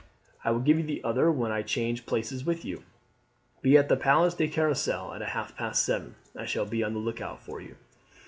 I will give you the other when I change places with you. Be at the Place de Carrousel at half past seven. I shall be on the look out for you.